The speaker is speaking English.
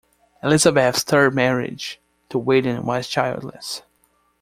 Elizabeth's third marriage, to William, was childless.